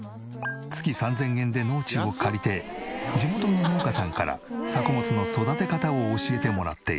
月３０００円で農地を借りて地元の農家さんから作物の育て方を教えてもらっている。